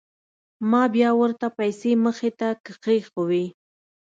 ما بيا ورته پيسې مخې ته كښېښووې.